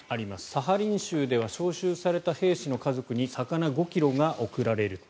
サハリン州では招集された兵士の家族に魚５ｋｇが贈られる。